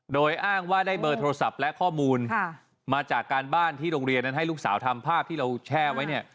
โดยอ้างว่าได้เบอร์โทรศัพท์และข้อมูลมาจากการบ้านที่โรงเรียนนั้นให้ลูกสาวทำภาพที่เราแช่ไว้เนี่ย